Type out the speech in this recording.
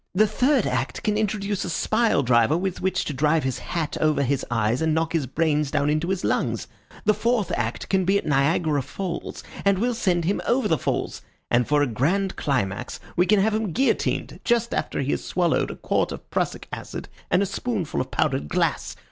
The third act can introduce a spile driver with which to drive his hat over his eyes and knock his brains down into his lungs. The fourth act can be at Niagara Falls, and we'll send him over the falls; and for a grand climax we can have him guillotined just after he has swallowed a quart of prussic acid and a spoonful of powdered glass.